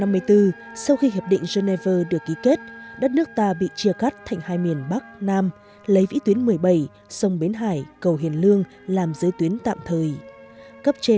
năm một nghìn chín trăm năm mươi bốn sau khi hiệp định geneva được ký kết đất nước ta bị chia cắt thành hai miền bắc nam lấy vĩ tuyến một mươi bảy sông bến hải câu hiền lương làm giới tuyến tạm thời